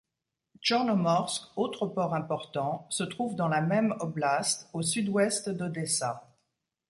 Tchornomorsk, autre port important, se trouve dans la même oblast, au sud-ouest d'Odessa.